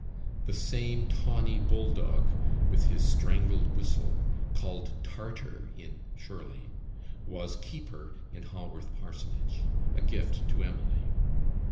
The same tawny bull dog (with his "strangled whistle"), called "Tartar" in "Shirley," was "Keeper" in Haworth parsonage; a gift to Emily.